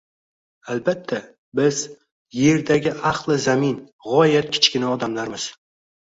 Albatta, biz — Yerdagi ahli zamin, g‘oyat kichkina odamlarmiz